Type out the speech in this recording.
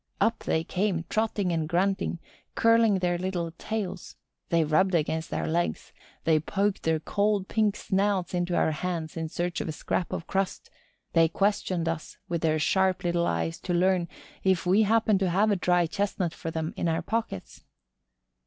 Up they came trotting and grunting, curling their little tails; they rubbed against our legs; they poked their cold pink snouts into our hands in search of a scrap of crust; they questioned us with their sharp little eyes to learn if we happened to have a dry chestnut for them in our pockets.